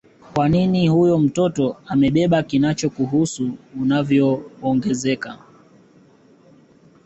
wa nini huyo mtu amebeba kinachokuhusu unavyoongezeka